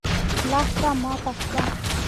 لښته ماته شوه.